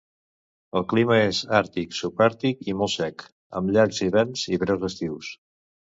El clima és àrtic, subàrtic i molt sec, amb llargs hiverns i breus estius.